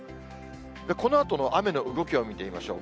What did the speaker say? このあとの雨の動きを見てみましょう。